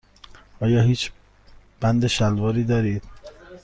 آیا هیچ بند شلواری دارید؟